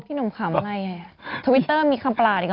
ทวิตเตอร์มีคำปราณอีกหรอ